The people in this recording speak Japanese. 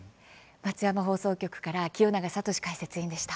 松山放送局から清永聡解説委員でした。